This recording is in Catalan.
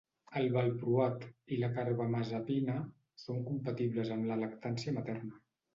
El valproat i la carbamazepina són compatibles amb la lactància materna.